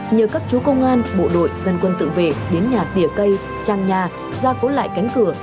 nhờ các chú công an bộ đội dân quân tự vệ đến nhà tỉa cây trang nhà ra cố lại cánh cửa